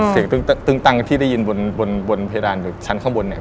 ตึ้งตังที่ได้ยินบนเพดานอยู่ชั้นข้างบนเนี่ย